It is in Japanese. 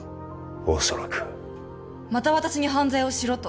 おそらくまた私に犯罪をしろと？